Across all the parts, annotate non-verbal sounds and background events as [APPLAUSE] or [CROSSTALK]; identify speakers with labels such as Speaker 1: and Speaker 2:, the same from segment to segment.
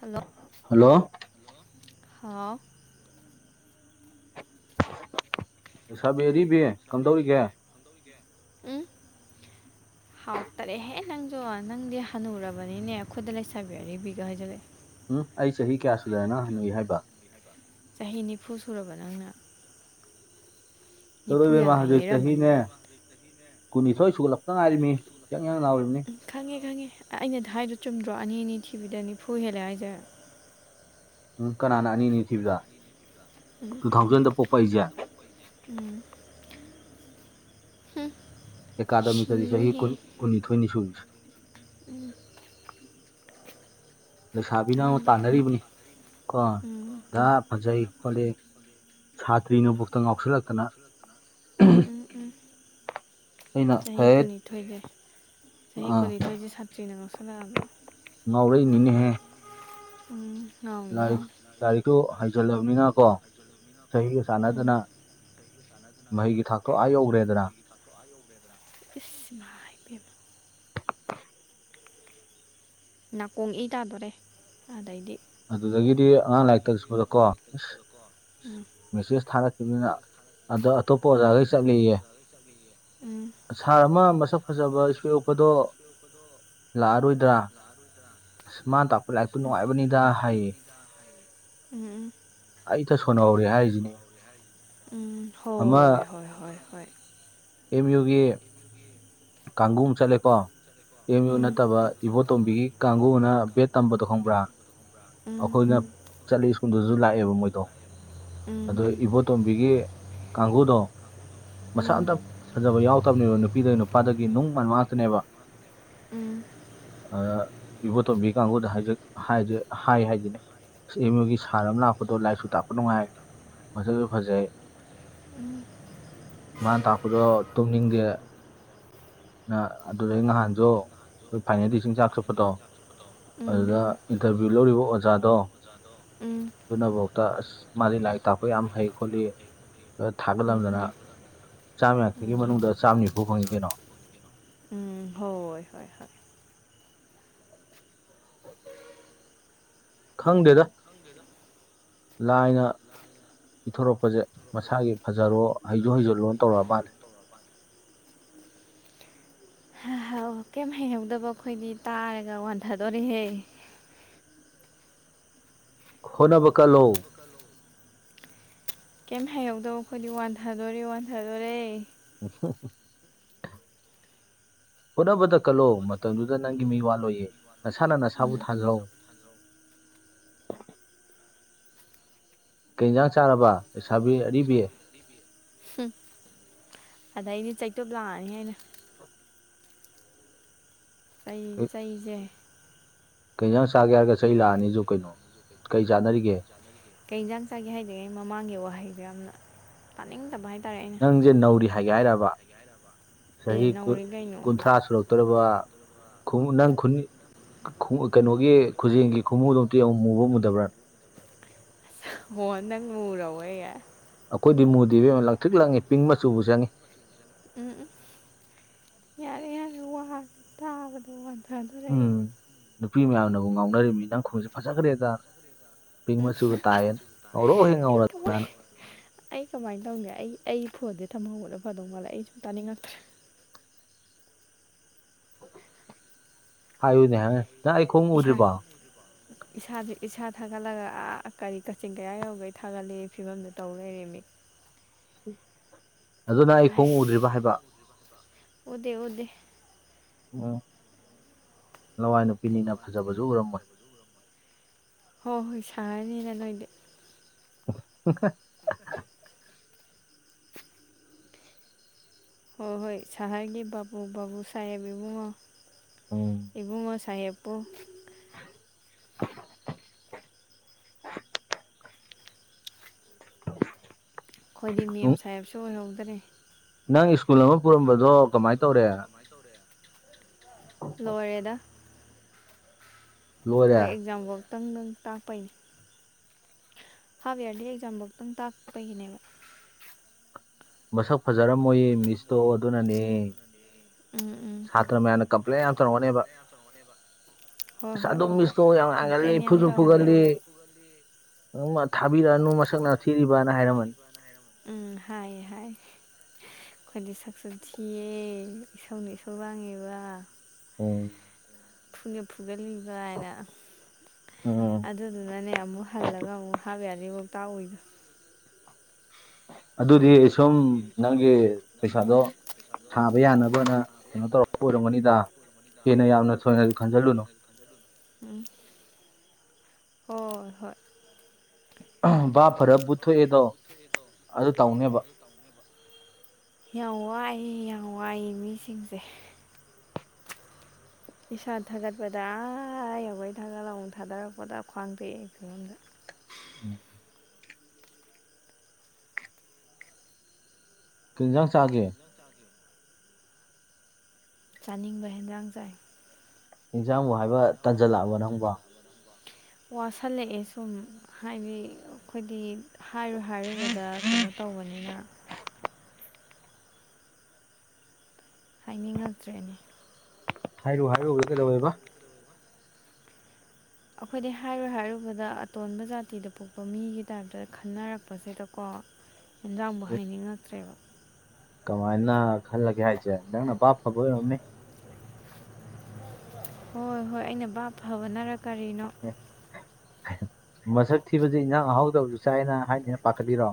Speaker 1: Hello
Speaker 2: hello
Speaker 1: ꯍꯥꯎ
Speaker 2: ꯂꯩꯁꯥꯕꯤ ꯑꯔꯤꯕ ꯀꯝꯗꯧꯔꯤꯒꯦ [INAUDIBLE]
Speaker 1: ꯍꯥꯎꯇꯔꯦꯍꯦ ꯅꯪꯁꯨ ꯅꯪꯗꯤ ꯍꯅꯨꯔꯕꯅꯤꯅꯦ ꯑꯩꯈꯣꯏꯗ ꯂꯩꯁꯥꯕꯤ ꯑꯔꯤꯕꯤꯒ ꯍꯥꯏꯖꯤꯜꯂꯛꯑꯦ
Speaker 2: ꯎꯝ ꯑꯩ ꯆꯍꯤ ꯀꯌꯥ ꯁꯨꯗ꯭ꯔꯅ ꯅꯪ ꯍꯥꯅꯨꯏ ꯍꯥꯏꯕ
Speaker 1: ꯆꯍꯤ ꯅꯤꯐꯨ ꯁꯨꯔꯕ ꯅꯪꯅ
Speaker 2: ꯆꯂ ꯏꯕꯦꯝꯃ ꯍꯧꯖꯤꯛ ꯆꯍꯤꯅꯦ ꯀꯨꯟꯅꯤꯊꯣꯏ ꯁꯨꯒꯠꯂꯥꯛꯄꯥꯇ ꯉꯥꯏꯔꯤꯕꯅꯤ ꯌꯥꯪ ꯌꯪ ꯂꯥꯎꯔꯤꯕꯅꯤ
Speaker 1: ꯈꯪꯉꯦ ꯈꯪꯉꯦ ꯑꯩꯅ ꯍꯥꯏꯗꯣ ꯆꯨꯝꯗ꯭ꯔꯣ ꯑꯅꯤ ꯑꯅꯤ ꯊꯤꯕꯤꯗ ꯅꯤꯐꯨ ꯍꯦꯜꯂꯦ ꯍꯥꯏꯖꯦ
Speaker 2: ꯎꯝ ꯀꯅꯥꯅ ꯑꯅꯤ ꯑꯅꯤ ꯊꯤꯕꯗ
Speaker 1: ꯎꯝ
Speaker 2: ꯇꯨ ꯊꯥꯎꯖꯟꯗ ꯄꯣꯛꯄ ꯑꯩꯁꯦ
Speaker 1: ꯎꯝ
Speaker 2: ꯑꯦꯀꯥꯗꯃꯤꯛꯇꯗꯤ ꯆꯍꯤ ꯀꯨꯟ ꯀꯨꯟꯅꯤꯊꯣꯏꯅꯤ ꯁꯨꯔꯤꯁꯦ
Speaker 1: ꯎꯝ
Speaker 2: ꯂꯩꯁꯥꯕꯤꯅ ꯉꯣ ꯇꯥꯟꯅꯔꯤꯕꯅꯤ ꯀꯣ ꯗꯥ ꯐꯖꯩ ꯈꯣꯠꯂꯦ ꯁꯥꯇ꯭ꯔꯤ ꯅꯕꯨꯛꯇ ꯉꯥꯎꯁꯤꯜꯂꯛꯇꯅ
Speaker 1: ꯎꯝ ꯎꯝ ꯆꯍꯤ ꯀꯨꯟꯅꯤꯊꯣꯏꯁꯦ ꯆꯍꯤ ꯀꯨꯟꯅꯤꯊꯣꯏꯁꯦ ꯁꯥꯇ꯭ꯔꯤꯅ ꯉꯧꯁꯜꯂꯛꯑꯕ
Speaker 2: ꯉꯥꯎꯔꯛꯏꯅꯤꯅꯦꯍꯦ
Speaker 1: ꯎꯝ
Speaker 2: ꯂꯥꯏ ꯂꯥꯏꯔꯤꯛꯇꯨ ꯍꯩꯖꯜꯂꯕꯅꯤꯅ ꯀꯣ ꯆꯍꯤꯒ ꯆꯥꯟꯅꯥꯗꯅꯥ꯫ ꯃꯍꯩꯒꯤ ꯊꯥꯛꯇꯣ ꯑꯥ ꯌꯧꯈ꯭ꯔꯦꯗꯅ
Speaker 1: ꯏꯃꯥꯏꯄꯦꯝꯃꯥ ꯅꯥꯀꯣꯡ ꯏ ꯇꯥꯗꯣꯔꯦ ꯑꯗꯩꯗꯤ
Speaker 2: ꯑꯗꯨꯗꯒꯤꯗꯤ ꯑꯉꯥꯡ ꯂꯥꯏꯔꯤꯛ ꯇꯥꯛ ꯆꯠꯄꯗ ꯀꯣ ꯏꯁ
Speaker 1: ꯎꯝ
Speaker 2: ꯃꯦꯁꯦꯁ ꯊꯥꯔꯛꯈꯤꯕꯁꯤꯅ ꯑꯗꯣ ꯑꯇꯣꯞꯄ ꯑꯣꯖꯥꯈꯩ ꯆꯠꯂꯤꯌꯦ ꯁꯥꯔ ꯑꯃ ꯃꯁꯛ ꯐꯖꯕ ꯁꯄꯦꯛ ꯎꯞꯄꯗꯣ ꯂꯥꯛꯑꯔꯣꯏꯗ꯭ꯔꯥ ꯑꯁ ꯃꯥꯅ ꯇꯥꯛꯄ ꯂꯥꯏꯔꯤꯛꯇꯨ ꯅꯨꯡꯉꯥꯏꯕꯅꯤꯗ ꯍꯥꯏꯌꯦ
Speaker 1: ꯎꯝ
Speaker 2: ꯑꯩꯇ ꯁꯣꯟꯅꯍꯧꯔꯦ ꯍꯥꯏꯔꯤꯁꯤꯅꯦ
Speaker 1: ꯎꯝ ꯍ
Speaker 2: ꯑꯃ
Speaker 1: ꯍꯣꯏ ꯍꯣꯏ ꯍꯣꯏ
Speaker 2: ꯑꯦꯝ ꯌꯨꯒꯤ ꯀꯥꯡꯒꯨ ꯑꯃ ꯆꯠꯂꯦꯀꯣ ꯑꯦꯝ ꯌꯨ ꯅꯠꯇꯕ ꯏꯕꯣꯇꯣꯝꯕꯤꯒꯤ ꯀꯥꯡꯒꯨꯅ ꯕꯦꯠ ꯇꯝꯕꯗꯣ ꯈꯪꯕ꯭ꯔꯥ ꯑꯩꯈꯣꯏꯅ ꯆꯠꯂꯤ ꯁ꯭ꯀꯨꯜꯗꯨꯁꯨ ꯂꯥꯛꯑꯦꯕ ꯃꯣꯏꯗꯣ ꯑꯗꯨꯢ ꯏꯕꯣ ꯇꯣꯝꯕꯤꯒꯤ ꯀꯥꯡꯒꯨꯗꯣ ꯃꯁꯛ ꯑꯝꯇ ꯐꯖꯕ ꯌꯥꯎꯗꯕꯅꯤꯕ ꯅꯨꯄꯤꯗꯩ ꯅꯨꯄꯥꯗꯒꯤ ꯅꯨꯡ ꯃꯟ ꯉꯥꯛꯇꯅꯦꯕ
Speaker 1: ꯎꯝ
Speaker 2: ꯑ ꯏꯕꯣꯇꯣꯝꯕꯤ ꯀꯥꯡꯒꯨꯅ ꯍꯧꯖꯤꯛ ꯍꯥꯏ ꯍꯥꯏꯖꯤꯅꯤ ꯑꯦꯝ ꯌꯨꯒꯤ ꯁꯥꯔ ꯑꯃ ꯂꯥꯛꯄꯗꯣ ꯂꯥꯏꯔꯤꯛꯁꯨ ꯇꯥꯛꯄ ꯅꯨꯡꯉꯥꯏ ꯃꯁꯛꯁꯨ ꯐꯖꯩ ꯃꯥꯅ ꯇꯥꯛꯄꯗꯣ ꯇꯨꯝꯅꯤꯡꯗꯦ ꯅ ꯑꯗꯨꯗꯩ ꯅꯍꯥꯟꯁꯨ ꯑꯩꯈꯣꯏ ꯐꯥꯏꯅꯦꯜ [INAUDIBLE] ꯇꯥꯛ ꯆꯠꯄꯗꯣ ꯑꯗꯨꯗ ꯏꯟꯇꯔꯚꯤꯌꯨ ꯂꯧꯔꯤꯕ ꯑꯣꯖꯥꯗꯣ
Speaker 1: ꯎꯝ
Speaker 2: ꯑꯗꯨꯅꯐꯥꯎꯗ ꯑꯁ ꯃꯥꯗꯤ ꯂꯥꯏꯔꯤꯛ ꯇꯥꯛꯄ ꯌꯥꯝ ꯍꯩ ꯈꯣꯠꯂꯤ ꯊꯥꯒꯠꯂꯝꯗꯅ ꯆꯥꯝꯃ ꯌꯥꯡꯈꯩꯒꯤ ꯃꯅꯨꯡꯗ ꯆꯥꯝꯃꯅꯤꯐꯨ ꯐꯪꯉꯤ ꯀꯩꯅꯣ
Speaker 1: ꯎꯝ ꯍꯣꯏ ꯍꯣꯏ ꯍꯣꯏ
Speaker 2: ꯈꯪꯗꯦꯗ ꯂꯥꯏꯅ ꯄꯤꯊꯣꯔꯛꯄꯁꯦ ꯃꯁꯥꯒꯤ ꯐꯖꯔꯣ ꯍꯩꯁꯨ ꯍꯩꯖꯜꯂꯣꯅ ꯇꯧꯔꯛꯑ ꯃꯥꯜꯂꯦ
Speaker 1: ꯑꯣ ꯀꯩꯝ ꯍꯩꯍꯧꯗꯕ ꯑꯩꯈꯣꯏꯗꯤ ꯇꯥꯔꯒ ꯋꯥꯟꯊꯗꯣꯔꯤꯍꯦ
Speaker 2: ꯍꯣꯠꯅꯕ ꯀꯜꯂꯣ
Speaker 1: ꯀꯜꯂꯣ ꯀꯦꯝ ꯍꯩꯍꯧꯗꯕ ꯑꯩꯈꯣꯏꯗꯤ ꯋꯥꯟꯊꯗꯣꯔꯦ ꯋꯥꯟꯊꯗꯣꯔꯦ
Speaker 2: ꯎꯝ ꯍꯣꯠꯅꯕꯗ ꯀꯜꯂꯣ ꯃꯇꯝꯗꯨꯗ ꯅꯪꯒꯤ ꯃꯤ ꯋꯥꯠꯂꯣꯏꯌꯦ ꯅꯁꯥꯅ ꯅꯁꯥꯕꯨ ꯊꯥꯖꯧ ꯀꯩ ꯏꯟꯖꯥꯡ ꯆꯥꯔꯕ ꯂꯩꯁꯥꯕꯤ ꯑꯔꯤꯕꯤ
Speaker 1: ꯑꯗꯩꯗꯤ ꯆꯩꯇꯞ ꯂꯥꯛꯑꯅꯤ ꯑꯩꯅ ꯆꯩ ꯆꯩꯖꯦ
Speaker 2: ꯀꯩ ꯏꯟꯖꯥꯡ ꯆꯥꯒꯦ ꯍꯥꯏꯔꯒ ꯆꯩ ꯂꯥꯛꯑꯅꯤ ꯖꯤꯕꯨ ꯀꯩꯅꯣ ꯀꯩ ꯆꯥꯅꯔꯤꯒꯦ
Speaker 1: ꯀꯩ ꯏꯟꯖꯥꯡ ꯆꯥꯒꯦ ꯍꯥꯏꯗ꯭ꯔꯤꯉꯩ ꯃꯃꯥꯡꯒꯤ ꯋꯥꯍꯩꯗꯨ ꯌꯥꯝꯅ ꯇꯥꯅꯤꯡꯗꯕ ꯍꯥꯏ
Speaker 2: ꯅꯪꯖꯦ ꯅꯧꯔꯤ ꯍꯥꯏꯒꯦ ꯍꯥꯏꯔꯕ ꯆꯍꯤ ꯀꯨꯟ ꯀꯨꯟꯊ꯭ꯔꯥ ꯁꯨꯔꯛ ꯇꯣꯔꯕ ꯈꯨ ꯅꯪ ꯈꯨꯅꯤꯡ ꯈꯨ ꯀꯩꯅꯣꯒꯤ ꯈꯨꯖꯦꯡꯒꯤ ꯈꯨꯃꯨꯗꯣ ꯑꯃꯨꯛꯇ ꯌꯦꯡꯉꯣ ꯃꯨꯕ꯭ꯔꯥ ꯃꯨꯗꯕ꯭ꯔꯥ
Speaker 1: ꯍꯣ ꯅꯪ ꯃꯨꯔꯕꯣꯏ ꯌꯦ
Speaker 2: ꯑꯩꯈꯣꯏꯗꯤ ꯃꯨꯗꯦ ꯏꯕꯦꯝꯃ ꯂꯪꯇ꯭ꯔꯤꯛ ꯂꯪꯉꯤ ꯄꯤꯡ ꯃꯆꯨꯕꯨ ꯆꯪꯏ
Speaker 1: ꯎꯝ ꯎꯟ ꯌꯥꯔꯦ ꯌꯥꯔꯦ ꯋꯥꯔꯦ ꯇꯥꯕꯗ ꯋꯥꯟꯊꯗꯣꯔꯦ ꯑꯩ
Speaker 2: ꯅꯨꯄꯤ ꯃꯌꯥꯝꯅꯕꯨ ꯉꯥꯎꯅꯔꯤꯃꯤ ꯅꯪ ꯈꯨꯃꯨꯖꯦ ꯐꯖꯒ꯭ꯔꯦꯗ ꯄꯤꯡ ꯃꯆꯨꯒ ꯇꯥꯏꯌꯦꯅ ꯉꯧꯔꯣꯛ ꯍꯦꯛ ꯉꯧꯔ
Speaker 1: ꯋꯣꯏ ꯑꯩ ꯀꯃꯥꯏꯅ ꯇꯧꯅꯤ ꯑꯩ ꯑꯩ ꯐꯣꯟꯁꯦ ꯊꯝꯍꯧꯕꯅ ꯐꯗꯧ ꯃꯥꯜꯂꯦ ꯑꯩ ꯁꯨꯝ ꯇꯥꯅꯤꯡꯉꯛꯇ꯭ꯔꯦ
Speaker 2: ꯍꯥꯏꯌꯨꯅꯦ ꯍꯥꯏ
Speaker 1: ꯏꯁꯥ ꯏꯁꯥꯖꯦ ꯏꯁꯥ ꯊꯥꯒꯠꯂꯒ ꯑ ꯀꯔꯤ ꯀꯥꯆꯤꯡ ꯀꯣꯌꯥ ꯌꯧꯒꯩ ꯊꯥꯒꯠꯂꯦ ꯐꯤꯕꯝꯗꯨ ꯇꯧ ꯂꯩꯔꯦꯃꯤ
Speaker 2: ꯑꯗꯣ ꯅꯪ ꯑꯩ ꯈꯣꯡ ꯎꯗ꯭ꯔꯤꯕ ꯍꯥꯏꯕ
Speaker 1: ꯎꯗꯦ ꯎꯗꯦ
Speaker 2: ꯎꯝ ꯂꯋꯥꯏ ꯅꯨꯨꯄꯤꯅꯤꯅ ꯐꯖꯕꯁꯨ ꯎꯔꯝꯃꯣꯏ
Speaker 1: ꯍꯣꯏ ꯍꯣꯏ ꯁꯍꯔꯅꯤꯅ ꯅꯣꯏꯗꯤ
Speaker 2: ꯎ ꯍꯥ ꯍꯥ
Speaker 1: ꯍꯣꯏ ꯍꯣꯏ ꯁꯍꯔꯒꯤ ꯕꯥꯕꯨ ꯕꯥꯕꯨ ꯁꯥꯍꯦꯕ ꯏꯕꯨꯡꯉꯣ ꯏꯕꯨꯡꯉꯣ ꯁꯥꯍꯦꯕ ꯄꯨ
Speaker 2: [INAUDIBLE]
Speaker 1: ꯑꯩꯈꯣꯏꯗꯤ ꯃꯦꯝ ꯁꯥꯍꯦꯕꯁꯨ ꯑꯣꯏꯍꯧꯗ꯭ꯔꯦ
Speaker 2: ꯅꯪ ꯁ꯭ꯀꯨꯜ ꯑꯃ ꯄꯨꯔꯝꯕꯗꯣ ꯀꯃꯥꯏ ꯇꯧꯔꯦ
Speaker 1: ꯂꯣꯏꯔꯦꯗ ꯍꯣꯏ ꯑꯦꯛꯖꯥꯝꯕꯧꯇꯪ ꯗꯪ ꯇꯥꯛꯄꯩꯅꯤ ꯍꯥꯐ ꯌꯥꯔꯂꯤ ꯑꯦꯛꯖꯥꯝꯕꯧꯇꯪ ꯇꯥꯛꯄꯒꯤꯅꯦꯕ
Speaker 2: ꯃꯁꯛ ꯐꯖꯔꯝꯃꯣꯏꯌꯦ ꯃꯤꯁ ꯇꯣꯑꯣ ꯑꯗꯨꯅꯅꯦ ꯁꯥꯇ꯭ꯔ ꯃꯌꯥꯝꯅ ꯀꯝꯄ꯭ꯂꯦꯟ ꯌꯥꯝ ꯇꯧꯔꯛꯅꯦꯕ ꯑꯁ ꯑꯗꯨ ꯃꯤꯁꯇꯣ ꯌꯥꯝ ꯍꯥꯡꯒꯜꯂꯤ ꯐꯨꯁꯨ ꯐꯨꯒꯜꯂꯤ ꯅꯪꯃ ꯊꯥꯕꯤꯔꯛꯑꯅꯨ ꯃꯁꯛ ꯅꯥ ꯊꯤꯔꯤꯕꯅ ꯍꯥꯏꯔꯝꯃꯅꯤ
Speaker 1: ꯎꯝ ꯍꯥꯏꯌꯦ ꯍꯥꯏꯌꯦ ꯑꯈꯣꯏꯗꯤ ꯁꯛꯁꯨ ꯊꯤꯌꯦ ꯏꯁꯧꯅ ꯏꯁꯧ ꯂꯥꯡꯉꯤꯕ
Speaker 2: ꯎꯝ
Speaker 1: ꯐꯨꯅ ꯐꯨꯒꯜꯂꯤꯕꯅ ꯑꯗꯨꯗꯨꯅꯅꯦ ꯑꯃꯨꯛ ꯍꯜꯂꯒ ꯑꯃꯨꯛ ꯍꯥꯞ ꯌꯥꯅꯤ ꯣꯛꯇꯥꯛ ꯍꯏꯗꯣ
Speaker 2: ꯑꯗꯨꯗꯤ ꯁꯨꯝ ꯅꯪꯒꯤ ꯄꯩꯁꯥꯗꯣ ꯁꯥꯕ ꯌꯥꯅꯕꯅ ꯀꯩꯅꯣ ꯇꯧꯔꯒ ꯑꯣꯏꯔꯝꯒꯅꯤꯗ ꯍꯦꯟꯅ ꯌꯥꯝꯅ ꯊꯣꯏꯅꯗꯤ ꯈꯟꯖꯜꯂꯨꯅꯨ
Speaker 1: ꯍꯣꯏ ꯍꯣꯏ
Speaker 2: ꯕꯥ ꯐꯔ ꯕꯨꯠꯊꯣꯛꯑꯦꯗꯣ ꯑꯗꯨ ꯇꯧꯅꯦꯕ
Speaker 1: ꯌꯥꯝ ꯋꯥꯏ ꯌꯥꯝ ꯋꯥꯏ ꯃꯤꯁꯤꯡꯁꯦ ꯄꯩꯁꯥ ꯊꯥꯒꯠꯄꯗ ꯑ ꯌꯥꯎꯩ ꯊꯥꯒꯠꯂꯥꯎꯑꯣ ꯊꯥꯔꯛꯄꯗ ꯈ꯭ꯋꯥꯡꯊꯩꯝꯗ
Speaker 2: ꯎꯝ ꯀꯤꯟꯖꯥꯡ ꯆꯥꯒꯦ
Speaker 1: ꯆꯥꯅꯤꯡꯕ ꯍꯦꯟꯖꯥꯡ ꯆꯥꯏ
Speaker 2: ꯏꯟꯖꯥꯡꯕꯨ ꯍꯥꯏꯕ ꯇꯟꯖꯜꯂꯛꯑꯕ ꯅꯪꯕꯣ
Speaker 1: ꯋꯥꯁꯤꯜꯂꯛꯑꯦ ꯁꯨꯝ ꯍꯥꯏꯗꯤ ꯑꯩꯈꯣꯏꯗꯤ ꯍꯥꯏꯔꯨ ꯍꯥꯏꯔꯨꯕꯗ ꯀꯩꯅꯣ ꯇꯧꯕꯅꯤꯅ ꯍꯥꯏꯅꯤꯡꯉꯛꯇ꯭ꯔꯦꯅꯦ
Speaker 2: ꯍꯥꯏꯔꯨ ꯍꯥꯏꯔꯨꯒꯦ ꯀꯩꯗꯧꯋꯦꯕ
Speaker 1: ꯑꯩꯈꯣꯏꯗꯤ ꯍꯥꯏꯔꯨ ꯍꯥꯏꯔꯨꯕꯗ ꯑꯇꯣꯟꯕ ꯖꯥꯇꯤꯗ ꯄꯣꯛꯄ ꯃꯤꯒꯤ ꯇꯥꯏꯞꯇ ꯈꯟꯅꯔꯛꯄꯁꯤꯗꯀꯣ꯫
Speaker 2: [INAUDIBLE] [INAUDIBLE]
Speaker 1: ꯌꯦꯟꯖꯥꯡꯕꯨ ꯍꯥꯏꯅꯤꯡꯉꯛꯇ꯭ꯔꯦꯕ
Speaker 2: ꯀꯃꯥꯏꯅ ꯈꯜꯂꯒꯦ ꯍꯥꯏꯁꯦ ꯅꯪꯅ ꯑꯚꯞ ꯐꯕ ꯑꯣꯏꯔꯝꯅꯦ
Speaker 1: [UNINTELLIGIBLE] ꯍꯣꯏ ꯍꯣꯏ ꯑꯩꯅ ꯕꯥꯞ ꯐꯕꯅꯔ ꯀꯔꯤꯅꯣ
Speaker 2: ꯃꯁꯛ ꯊꯤꯕꯁ ꯏꯟꯖꯥꯡ ꯑꯍꯥꯎꯗꯕꯁꯨ ꯆꯥꯏꯅ ꯍꯥꯏꯅꯤꯅ ꯄꯥꯈꯠꯂꯤꯔꯣ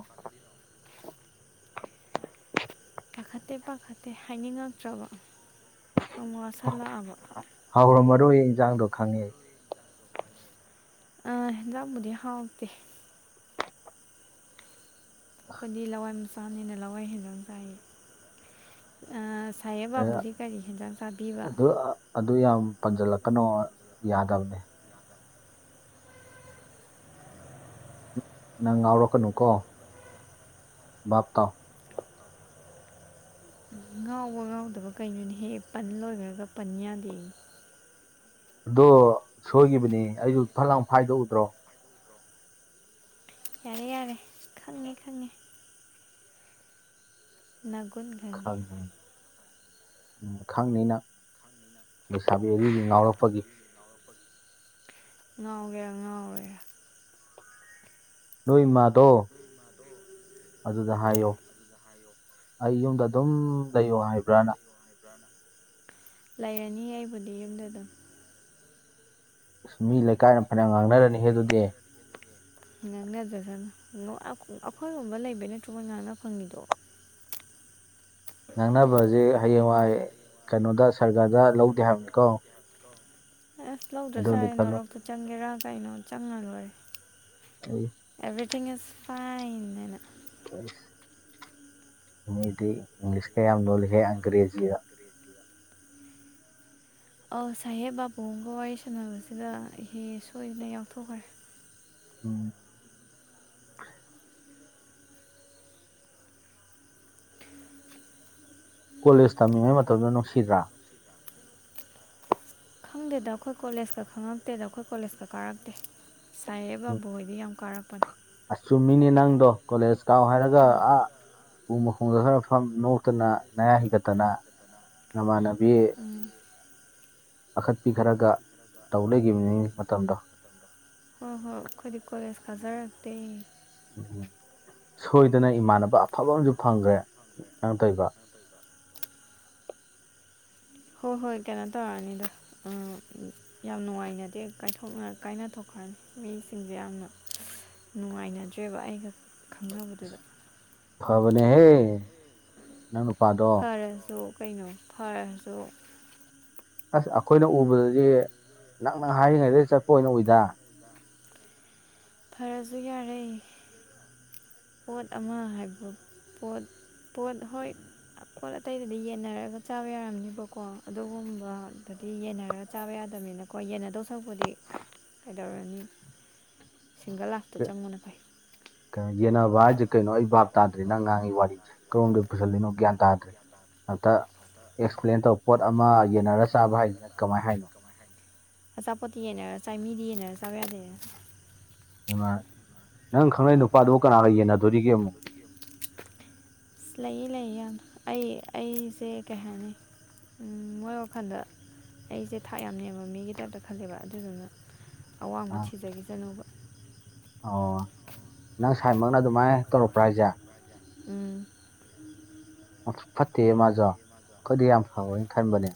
Speaker 1: ꯀꯥꯈꯠꯇꯦ ꯄꯥꯈꯠꯇꯦ ꯍꯥꯏꯅꯤꯡꯉꯛꯇ꯭ꯔꯕ ꯁꯣꯡ ꯋꯥꯁꯜꯂꯛꯑꯕ
Speaker 2: ꯍꯧꯔꯣ ꯃꯔꯨ ꯏꯟꯖꯥꯡꯗꯣ ꯈꯪꯉꯦ
Speaker 1: ꯑ ꯂꯥꯛꯕꯨꯗꯤ ꯍꯥꯎꯇꯦ ꯑꯩꯈꯣꯏꯗꯤ ꯂꯋꯥꯏ ꯃꯆꯥꯅꯤꯅ ꯂꯋꯥꯏ ꯍꯦꯟꯖ ꯆꯥꯏ ꯁꯥꯏꯌꯦꯦ ꯕꯥꯕꯨꯗꯤ ꯀꯔꯤ ꯍꯦꯟꯖꯥꯡ ꯆꯥꯕꯤꯕ
Speaker 2: ꯑꯗꯨ ꯌꯥꯝ ꯄꯟꯖꯜꯂꯛꯄꯅꯣ ꯌꯥꯗꯕꯅꯦ ꯅꯪ ꯉꯥꯎꯔꯛꯀꯅꯨꯀꯣ ꯚꯥꯞ ꯇꯥꯎ
Speaker 1: ꯉꯥꯎꯕ ꯉꯥꯎꯗꯕ ꯀꯩꯅꯣꯅꯦ ꯍꯦꯛꯦꯛ ꯄꯟ ꯂꯣꯏꯈ꯭ꯔꯒ ꯄꯟ ꯌꯥꯗꯦ
Speaker 2: ꯑꯗꯣ ꯁꯣꯏꯈꯤꯕꯅꯤ ꯑꯩꯁꯨ ꯐꯠ ꯂꯥꯡ ꯐꯥꯏꯗꯣꯛꯎꯗ꯭ꯔꯣ
Speaker 1: ꯌꯥꯔꯦ ꯌꯥꯔꯦ ꯈꯪꯉꯦ ꯈꯪꯉꯦ ꯒꯨꯟ
Speaker 2: ꯈꯪꯝ ꯈꯪꯅꯤꯩꯅ ꯂꯩꯁꯥꯕꯤ ꯑꯔꯤꯒꯤ ꯉꯥꯎꯔꯛꯄꯒꯤ
Speaker 1: ꯉꯥꯎꯒꯦ ꯉꯥꯎꯋꯦ
Speaker 2: ꯅꯣꯏ ꯏꯃꯥꯗꯣ ꯑꯗꯨꯗ ꯍꯥꯏꯌꯣ ꯑꯩ ꯌꯨꯝꯗ ꯑꯗꯨꯝ ꯂꯩꯌꯣ ꯍꯥꯏꯕ꯭ꯔꯅ
Speaker 1: ꯂꯥꯏꯔꯅꯤ ꯌꯥꯏꯕꯨꯗꯤ ꯌꯨꯝꯗꯗ
Speaker 2: ꯑꯁ ꯃꯤ ꯂꯩꯀꯥꯏꯅ ꯐꯅ ꯉꯥꯡꯅꯔꯅꯤꯍꯦ ꯑꯗꯨꯗꯤ
Speaker 1: ꯉꯥꯡꯅꯗ꯭ꯔꯒꯅ ꯑꯩꯈꯣꯏꯒꯨꯝꯕ ꯂꯩꯕꯩ ꯅꯠꯇ꯭ꯔꯣ ꯃꯣꯢ ꯉꯥꯡꯅ ꯐꯪꯉꯤꯗꯣ
Speaker 2: ꯉꯥꯡꯅꯕꯁ ꯍꯌꯦꯡꯋꯥꯏ ꯀꯩꯅꯣꯗ ꯁꯔꯒꯗ ꯂꯧꯗꯦ ꯍꯥꯏꯕꯅꯤꯀꯣ
Speaker 1: ꯑꯁ ꯂꯧꯗ꯭ꯔꯁꯨ ꯌꯥꯔꯦ ꯅꯣꯔꯣꯛꯄꯨ ꯆꯪꯒꯦꯔꯥ ꯀꯩꯅꯣ ꯆꯪꯉ ꯂꯣꯏꯔꯦ
Speaker 2: ꯎ
Speaker 1: ꯑꯦꯕ꯭ꯔꯤꯊꯤꯡ ꯏꯁ ꯐꯥꯏꯅ
Speaker 2: ꯃꯤꯗꯤ ꯏꯪꯂꯤꯁꯀ ꯌꯥꯝ ꯂꯣꯜꯂꯤꯍꯦ ꯑꯪꯒ꯭ꯔꯦꯖꯤꯗ
Speaker 1: ꯑꯧ ꯁꯥꯍꯦ ꯕꯥꯕꯨꯡ ꯑꯃꯒ ꯋꯥꯔꯤ ꯁꯥꯟꯅꯕꯁꯤꯗ ꯑꯩꯍꯦ ꯁꯣꯏꯗꯅ ꯌꯥꯎꯊꯣꯛꯈ꯭ꯔꯦ
Speaker 2: ꯎꯝ ꯀꯣꯂꯦꯖ ꯇꯝꯃꯤꯉꯩ ꯃꯇꯝꯗ ꯅꯨꯡꯁꯤꯗ꯭ꯔꯥ
Speaker 1: ꯈꯪꯗꯦꯗ ꯑꯩꯈꯣꯏ ꯀꯣꯂꯦꯖꯀ ꯈꯪꯉꯛꯇꯦꯗ ꯑꯩꯈꯣꯏ ꯀꯣꯂꯦꯖꯀ ꯀꯥꯔꯛꯇꯦ ꯁꯥꯏꯦ ꯕꯥꯕꯣꯛ ꯍꯣꯏꯗꯤ ꯌꯥꯝ ꯀꯥꯔꯛꯄꯅꯦ
Speaker 2: ꯑꯁ ꯆꯨꯝꯃꯤꯅꯦ ꯅꯪꯗꯣ ꯀꯣꯂꯦꯖ ꯀꯥꯎ ꯍꯥꯏꯔꯒ ꯑ ꯎ ꯃꯈꯣꯡꯗ ꯈꯔ ꯐꯝ ꯅꯣꯛꯇꯅ ꯅꯌꯥ ꯍꯤꯒꯠꯇꯅ ꯅꯃꯥꯟꯅꯕꯤ ꯑꯈꯠꯄꯤ ꯈꯔꯒ ꯇꯧ ꯂꯩꯈꯤꯕꯅꯤ ꯃꯇꯝꯗꯣ
Speaker 1: ꯑꯩꯈꯣꯏꯗꯤ ꯀꯣꯂꯦꯖ ꯀꯥꯖꯔꯛꯇꯦ
Speaker 2: ꯎꯝ ꯁꯣꯏꯗꯅ ꯏꯃꯥꯟꯅꯕ ꯑꯐꯕ ꯑꯃꯁꯝꯨ ꯐꯪꯈ꯭ꯔꯦ ꯅꯪ ꯇꯧꯕ
Speaker 1: ꯍꯣꯏ ꯍꯣꯏ ꯀꯩꯅꯣ ꯇꯧꯔꯛꯑꯅꯤꯗꯣ ꯎꯝꯝ ꯌꯥꯝ ꯅꯨꯡꯉꯥꯏꯅꯗꯦ ꯀꯥꯏꯅ ꯊꯣꯛꯣꯛꯈꯅꯤ ꯃꯤꯁꯤꯡꯁꯦ ꯌꯥꯝꯅ ꯅꯨꯡꯉꯥꯏꯅꯗ꯭ꯔꯦꯕ ꯑꯩꯒ ꯈꯪꯅꯕꯗꯨꯗ
Speaker 2: ꯐꯕꯅꯦꯍꯦ ꯅꯪ ꯅꯨꯄꯥꯗꯣ
Speaker 1: ꯐꯔꯁꯨ ꯀꯩꯅꯣ ꯐꯔꯁꯨ
Speaker 2: ꯑꯁ ꯑꯩꯈꯣꯏꯅ ꯎꯕꯗꯗꯤ ꯅꯛꯅꯪ ꯍꯥꯏꯔꯤꯉꯩꯗꯒꯤ ꯆꯠꯄ ꯑꯣꯏꯅ ꯎꯏꯗ
Speaker 1: ꯈꯔꯁꯨ ꯌꯥꯔꯛ ꯄꯣꯠ ꯑꯃ ꯍꯥꯏꯕ ꯄꯣꯠ ꯄꯣꯠ ꯍꯣꯏ ꯄꯣꯠ ꯑꯇꯩꯗꯨꯗꯤ ꯌꯦꯟꯅꯔꯒ ꯆꯥꯕ ꯌꯥꯔꯝꯅꯤꯕꯀꯣ ꯑꯗꯨꯒꯨꯝꯕꯗꯨꯗꯤ ꯌꯦꯟꯅꯔꯒ ꯆꯥꯕ ꯌꯥꯗꯕꯅꯤꯅꯀꯣ ꯌꯦꯟꯅꯗꯧ ꯁꯛꯄꯨꯗꯤ ꯀꯩꯗꯧꯔꯅꯤ ꯁꯤꯡꯒꯜ ꯂꯥꯛ ꯑ ꯆꯪꯉꯅ ꯐꯩ
Speaker 2: ꯌꯦꯟꯅꯕ ꯍꯥꯏꯁꯦ ꯀꯩꯅꯣ ꯑꯩ ꯚꯞ ꯇꯥꯗ꯭ꯦ ꯅ ꯑꯉꯥꯡꯉꯒꯤ ꯋꯥꯔꯤꯦ ꯀꯣꯗ ꯄꯨꯁꯜꯂꯤꯅ ꯭ꯌꯥꯟ ꯇꯥꯗ꯭ꯔꯦ ꯑꯝꯇ ꯑꯦꯛꯁꯄ꯭ꯂꯦꯟ ꯇꯧꯕ ꯄꯣꯠ ꯑꯃ ꯌꯦꯟꯅꯔ ꯆꯥꯕ ꯍꯥꯏꯁꯤꯅ ꯀꯃꯥꯏꯅ ꯍꯥꯏꯅꯣ
Speaker 1: ꯑꯆꯥꯄꯣꯠꯤ ꯌꯦꯟꯅꯔ ꯆꯥꯏ ꯃꯤꯗꯤ ꯌꯦꯟꯅꯔꯒ ꯆꯥꯕ ꯌꯥꯗꯦ
Speaker 2: ꯃ ꯅꯪ ꯈꯪꯅꯏ ꯅꯨꯄꯥꯗꯨ ꯀꯅꯥꯒ ꯌꯦꯟꯅꯗꯣꯔꯤꯒꯦ ꯑꯃꯨꯛ
Speaker 1: ꯑꯁ ꯂꯩꯌꯦ ꯂꯩꯌꯦ ꯌꯥꯝꯅ ꯑꯩ ꯑꯩꯁꯦ ꯀꯩ ꯍꯥꯏꯅꯤ ꯃꯣꯏ ꯋꯥꯈꯜꯗ ꯑꯩꯁꯦ ꯊꯥꯛ ꯌꯥꯝ ꯅꯦꯝꯕ ꯃꯤꯒꯤ ꯇꯥꯏꯞꯇ ꯈꯜꯂꯦꯕ ꯑꯗꯨꯗꯨꯅ ꯑꯋꯥꯡꯕ ꯊꯤꯖꯈꯤꯗꯅꯨꯕ
Speaker 2: ꯑꯣ ꯅꯪ ꯁꯥꯏꯃꯛꯅ ꯑꯗꯨꯃꯥꯏꯅ ꯇꯧꯔꯛꯄ꯭ꯔꯥ ꯍꯥꯏꯁꯦ
Speaker 1: ꯎꯝ ꯎꯝ ꯎꯝ
Speaker 2: ꯁꯨ ꯐꯠꯇꯦ ꯃꯥꯁꯨꯣ ꯑꯩꯈꯣꯏꯗꯤ ꯌꯥꯝ ꯐꯋꯦꯅ ꯈꯟꯕꯅꯦ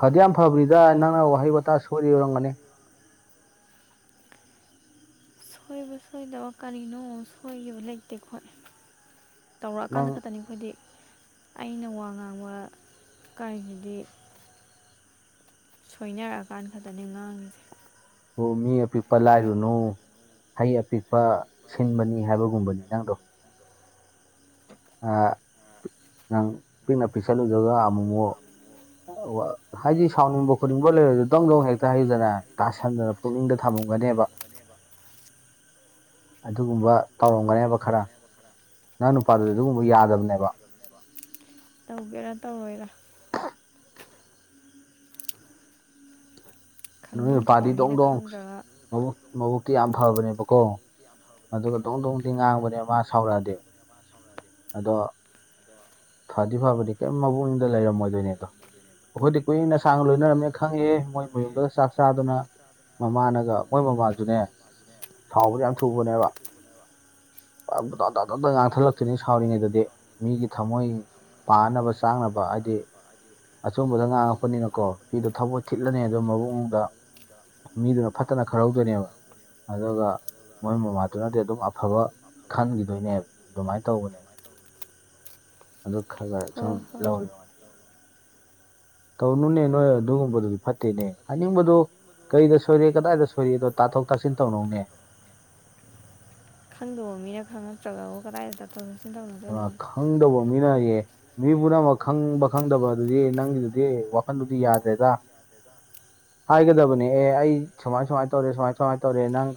Speaker 2: ꯐꯗꯤ ꯌꯥꯝ ꯐꯕ꯭ꯔꯤꯗ ꯅꯪꯅ ꯋꯥꯍꯩ ꯋꯥꯇꯥ ꯁꯣꯏꯗ ꯌꯧꯔꯝꯒꯅꯤ
Speaker 1: ꯁꯣꯏꯣꯏꯕ ꯁꯣꯏꯗꯕ ꯀꯔꯤꯅꯣ ꯁꯣꯏꯈꯤꯕ ꯂꯩꯇꯦ ꯈꯣꯠ ꯇꯧꯔꯛꯑꯀꯥꯟꯗ ꯈꯛꯇꯅꯤ ꯍꯥꯏꯗꯤ ꯑꯩꯅ ꯋꯥ ꯉꯥꯡꯕ ꯀꯥꯏꯁꯤꯗꯤ ꯁꯣꯏꯅꯔꯛꯑꯀꯥꯟ ꯈꯛꯇꯅꯦ ꯉꯥꯡꯉꯤꯁꯦ
Speaker 2: ꯑꯣ ꯃꯤ ꯑꯄꯤꯛꯄ ꯂꯥꯏꯔꯨꯅꯨ ꯍꯩ ꯑꯄꯤꯛꯄ ꯁꯤꯟꯕꯅꯤ ꯍꯥꯏꯕꯒꯨꯝꯕꯅꯤ ꯅꯪꯗꯣ ꯑ ꯅꯪ ꯄꯤꯛꯅ ꯄꯤꯁꯜꯂꯨꯗꯨꯒ ꯑꯃꯨꯛ ꯍꯥꯏꯗꯤ ꯁꯥꯎꯅꯤꯡꯕ ꯈꯣꯠꯅꯤꯡꯕ ꯂꯩꯔꯁꯨꯗꯧꯗꯧ ꯍꯦꯛꯇ ꯍꯩꯗꯅ ꯇꯥꯁꯟꯗꯅ ꯄꯨꯛꯅꯤꯡꯗ ꯊꯝꯃꯝꯒꯅꯦꯕ ꯑꯗꯨꯒꯨꯝꯕ ꯇꯧꯔꯝꯒꯅꯦꯕ ꯈꯔ ꯅꯪꯅ ꯑꯗꯨ ꯑꯗꯨꯒꯨꯝꯕ ꯌꯥꯗꯕꯅꯦꯕ
Speaker 1: ꯇꯧꯒꯦꯔꯥ ꯇꯧꯔꯣꯏꯔꯥ
Speaker 2: ꯅꯨꯃꯤꯠ ꯅꯨꯄꯥꯗꯤ ꯗꯣꯡ ꯗꯣꯡ ꯃꯕꯨ ꯃꯕꯨꯛꯇꯤ ꯌꯥꯝ ꯐꯕꯅꯦꯕꯀꯣ ꯑꯗꯨꯒ ꯣꯡ ꯣꯡꯗꯤ ꯉꯥꯡꯕꯅꯦ ꯃꯥ ꯁꯥꯎꯔꯛꯑꯗꯤ ꯑꯗꯣ ꯐꯗꯤ-ꯐꯕꯗꯤ ꯀꯔꯤꯝ ꯃꯕꯨꯀꯅꯤꯡꯗ ꯂꯩꯔꯝꯃꯣꯏꯗꯣꯏꯅꯦꯗꯣ ꯑꯩꯈꯣꯏꯗꯤ ꯀꯨꯏꯅ ꯁꯥꯡꯅ ꯂꯣꯏꯅꯔꯝꯅꯤꯅ ꯈꯪꯉꯦ ꯃꯣꯏ ꯃꯌꯨꯝꯗ ꯆꯥꯛ ꯆꯥꯗꯅ ꯃꯃꯥꯅꯒ ꯃꯣꯏ ꯃꯃꯥꯖꯨꯅꯦ ꯁꯥꯎꯕꯗꯤ ꯌꯥꯝ ꯊꯨꯕꯅꯦꯕ ꯇ ꯇꯇ ꯉꯥꯡꯊꯠꯂꯛꯇꯣꯏꯅꯤ ꯁꯥꯎꯔꯤꯉꯩꯗꯗꯤ ꯃꯤꯒꯤ ꯊꯝꯃꯣꯏ ꯄꯥꯅꯕ ꯆꯥꯅꯕ ꯍꯥꯏꯗꯤ ꯑꯆꯨꯝꯕꯗ ꯉꯥꯡꯉꯛꯄꯅꯤꯅꯀꯣ ꯄꯤꯗꯣ ꯊꯕꯣꯏ ꯊꯤꯠꯂꯅꯤ ꯑꯗꯨ ꯃꯕꯨꯡꯗ ꯃꯤꯗꯨꯅ ꯐꯠꯇꯅ ꯈꯜꯍꯧꯗꯣꯏꯅꯦꯕ ꯑꯗꯨꯒ ꯃꯣꯏ ꯃꯃꯥꯗꯨꯅꯗꯤ ꯑꯗꯨꯝ ꯑꯐꯕ ꯈꯟꯈꯤꯗꯣꯏꯅꯦꯕ ꯑꯗꯨꯃꯥꯏꯅ ꯇꯧꯕꯅꯦꯕ ꯑꯗꯨ ꯈꯜꯂꯒꯈ ꯁꯨꯝ ꯂꯧ ꯇꯧꯅꯨꯅꯦ ꯅꯣꯏ ꯑꯗꯨꯒꯨꯝꯕꯗꯨꯗꯤ ꯐꯠꯇꯦꯅꯦ ꯍꯥꯏꯅꯤꯡꯕꯗ ꯀꯩꯗ ꯁꯣꯏꯔꯤ ꯀꯗꯥꯏꯗ ꯁꯣꯏꯔꯤ ꯑꯗꯣ ꯇꯥꯊꯣꯛ ꯇꯥꯁꯤꯟ ꯇꯧꯅꯧꯅꯦ
Speaker 1: ꯈꯪꯗꯕ ꯃꯤꯅ ꯈꯪꯉꯛꯇ꯭ꯔꯒꯕꯨ ꯀꯗꯥꯏꯗ ꯇꯥꯊꯣꯛ ꯇꯥꯁꯤꯟ ꯇꯧꯅꯗꯣꯏꯅꯣ
Speaker 2: ꯈꯪꯗꯕ ꯃꯤꯅꯌꯦ ꯃꯤ ꯄꯨꯝꯅꯃꯛ ꯈꯪꯕ ꯈꯪꯗꯕ ꯑꯗꯨꯗꯤ ꯅꯪꯒꯤꯗꯨꯗꯤ ꯋꯥꯈꯟꯗꯨꯗꯤ ꯌꯥꯗ꯭ꯔꯦꯗ ꯍꯥꯏꯒꯗꯕꯅꯦ ꯑꯦ ꯑꯩ ꯁꯨꯃꯥꯏ-ꯁꯨꯃꯥꯏꯅ ꯇꯧꯔꯦ ꯁꯨꯃꯥꯏ-ꯁꯨꯃꯥꯏꯅ ꯇꯧꯔꯦ ꯅꯪ